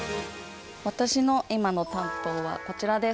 私の今の担当はこちらです。